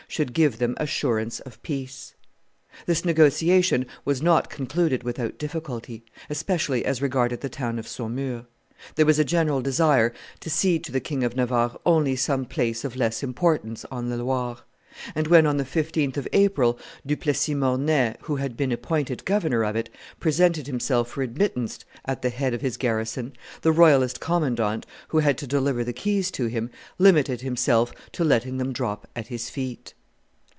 should give them assurance of peace. This negotiation was not concluded without difficulty, especially as regarded the town of Saumur; there was a general desire to cede to the King of Navarre only some place of less importance on the Loire; and when, on the 15th of April, Du Plessis Mornay, who had been appointed governor of it, presented himself for admittance at the head of his garrison, the royalist commandant, who had to deliver the keys to him, limited himself to letting them drop at his feet.